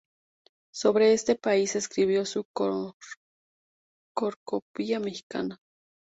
Sobre este país escribió su "Cornucopia mexicana".